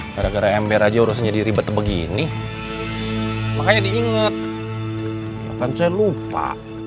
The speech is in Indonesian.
gara gara mpr aja harusnya diribet begini makanya diinget akan saya lupa